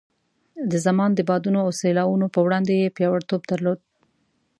د زمان د بادونو او سیلاوونو په وړاندې یې پیاوړتوب درلود.